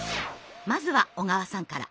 まずは小川さんから。